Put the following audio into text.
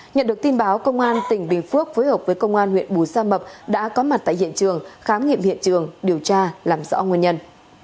nhận được tin báo công an tỉnh bình phước phối hợp với công an huyện bù gia mập đã có mặt tại hiện trường khám nghiệm hiện trường điều tra làm rõ nguyên nhân